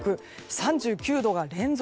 ３９度が連続。